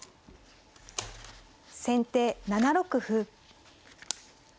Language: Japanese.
先手７六歩。